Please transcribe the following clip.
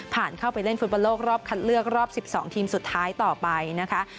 เข้าไปเล่นฟุตบอลโลกรอบคัดเลือกรอบ๑๒ทีมสุดท้ายต่อไปนะคะ